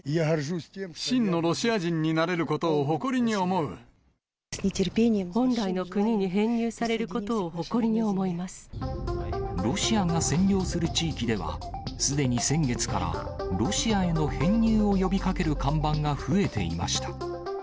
真のロシア人になれることを本来の国に編入されることをロシアが占領する地域では、すでに先月から、ロシアへの編入を呼びかける看板が増えていました。